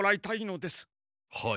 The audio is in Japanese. はい。